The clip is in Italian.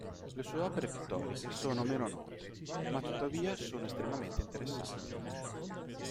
Le sue opere pittoriche sono meno note, ma tuttavia sono estremamente interessanti.